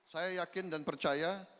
saya yakin dan percaya